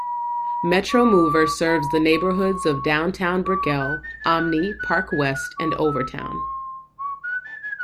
Metromover serves the neighborhoods of Downtown, Brickell, Omni, Park West, and Overtown.